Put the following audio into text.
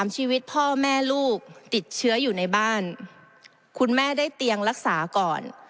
ชีวิตพ่อแม่ลูกติดเชื้ออยู่ในบ้านคุณแม่ได้เตียงรักษาก่อน